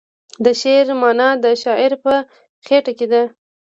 د شعر معنی د شاعر په خیټه کې ده .